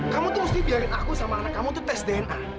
kamu tuh mesti biarin aku sama anak kamu itu tes dna